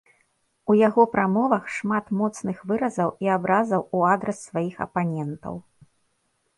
Яго прамовы шмат у моцнымі выразамі і абразамі ў адрас сваіх апанентаў.